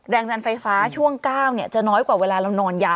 แรงดันไฟฟ้าช่วง๙จะน้อยกว่าเวลาเรานอนยาว